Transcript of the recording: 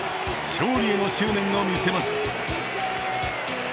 勝利への執念を見せます。